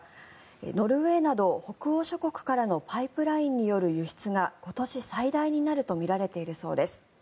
ノルウェーなど北欧諸国からのパイプラインによる輸出が今年、最大になるとみられているそうです。